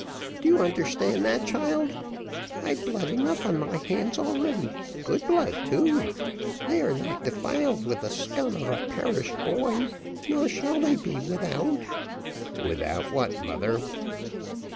Do you understand that, child? I've blood enough on my hands already good blood too they are not defiled with the scum of a parish boy, nor shall they be, without " "Without what, mother?"